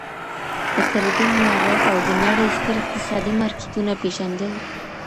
د ټریډینګ معرف او د نړۍ ستر اقتصادي مارکیټونه پیږندل!